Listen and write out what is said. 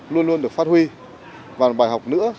luôn luôn được phát huy và bài học nữa